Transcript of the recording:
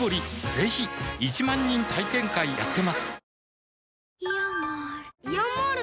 ぜひ１万人体験会やってますはぁ。